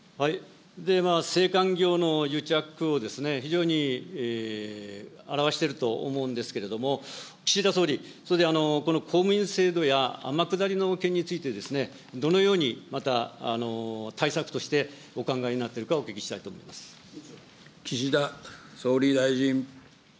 政官業の癒着を非常に表していると思うんですけれども、岸田総理、それで、この公務員制度や天下りの件について、どのようにまた対策としてお考えになっているか、お聞きしたいと岸田総理大臣。